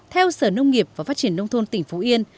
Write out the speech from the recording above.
theo sở nông nghiệp và phát triển nông thôn tỉnh phú yên